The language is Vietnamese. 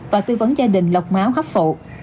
và tư vấn gia đình lọc máu hấp phụ